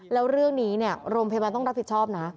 แล้วเรื่องนี้โรงพยาบาลต้องรับผิดชอบนะ